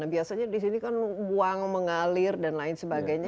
biasanya di sini kan buang mengalir dan lain sebagainya